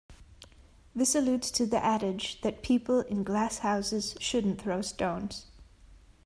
This alludes to the adage that "people in glass houses shouldn't throw stones".